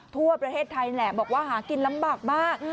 ทั่วประเทศไทยแหละบอกว่าหากินลำบากมาก